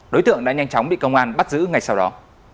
đối tượng đã nhanh chóng bị công an bắt giữ ngay sau đó